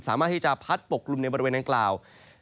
สามารถที่จะพัดปกกลุ่มในบริเวณดังกล่าว